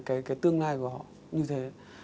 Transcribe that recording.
cái tương lai của họ như thế